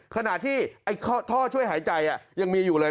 ขณะที่ท่อช่วยหายใจยังมีอยู่เลย